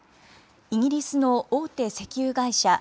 イギリスの大手石油会社